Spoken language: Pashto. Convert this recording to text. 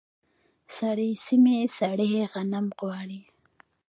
سړې سیمې سړې غنم غواړي.